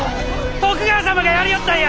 徳川様がやりおったんや！